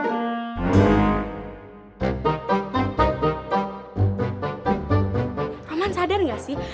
roman sadar gak sih